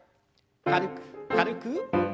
軽く軽く。